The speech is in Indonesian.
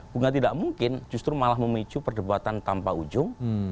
bukan tidak mungkin justru malah memicu perdebatan tanpa ujung